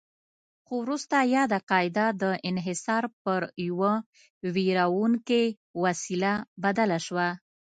خو وروسته یاده قاعده د انحصار پر یوه ویروونکې وسیله بدله شوه.